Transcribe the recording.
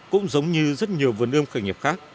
cũng giống như rất nhiều vườn ươm khởi nghiệp khác